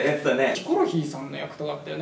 ヒコロヒーさんの役とかだったよね。